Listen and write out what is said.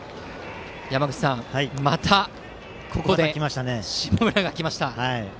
山口さん、またここで下村が来ました。